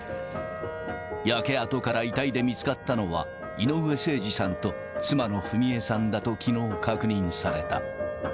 焼け跡から遺体で見つかったのは、井上盛司さんと妻の章恵さんだときのう確認された。